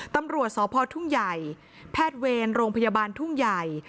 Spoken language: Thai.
ตำรวจสพทุ่งใหญ่แพทย์เวรโรงพยาบาลทุ่งใหญ่